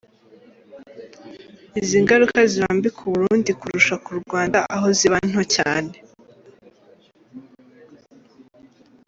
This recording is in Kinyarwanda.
Izi ngaruka ziba mbi ku Burundi kurusha ku Rwanda aho ziba nto cyane.